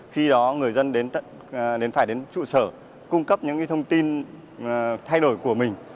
khi đó người dân phải đến trụ sở cung cấp những thông tin thay đổi của mình